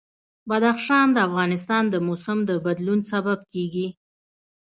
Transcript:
بدخشان د افغانستان د موسم د بدلون سبب کېږي.